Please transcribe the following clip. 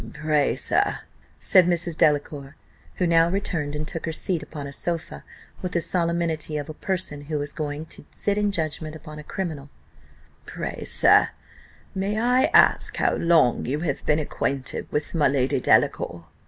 "Pray, sir," said Mrs. Margaret Delacour, who now returned, and took her seat upon a sofa, with the solemnity of a person who was going to sit in judgment upon a criminal, "pray, sir, may I ask how long you have been acquainted with my Lady Delacour?"